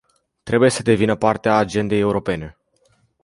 Trebuie să devină parte a agendei europene.